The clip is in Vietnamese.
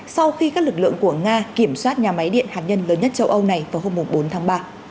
sau khi các lực lượng của nga kiểm soát nhà máy điện hạt nhân lớn nhất châu âu này vào hôm bốn tháng ba